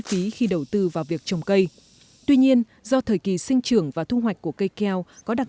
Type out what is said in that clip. phí khi đầu tư vào việc trồng cây tuy nhiên do thời kỳ sinh trưởng và thu hoạch của cây keo có đặc